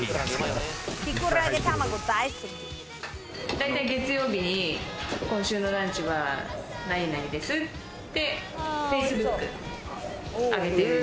だいたい月曜日に、今週のランチは何何ですってＦａｃｅｂｏｏｋにあげている。